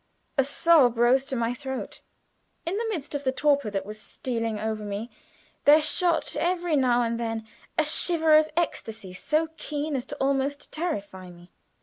A sob rose to my throat. In the midst of the torpor that was stealing over me, there shot every now and then a shiver of ecstasy so keen as to almost terrify me.